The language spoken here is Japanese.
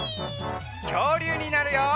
きょうりゅうになるよ！